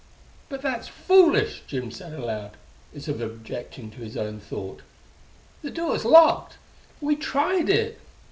"But that's foolish!" Jim said aloud, as if objecting to his own thought. "The door's locked! We tried it!"